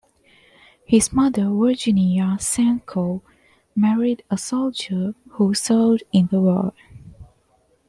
His Mother, Virginia Sancho, married a soldier who served in the war.